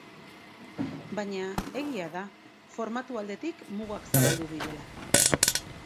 Baina, egia da, formatu aldetik mugak zabaldu direla.